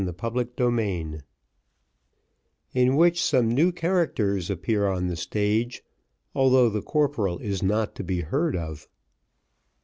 Chapter XIV In which some new characters appear on the stage, although the corporal is not to be heard of.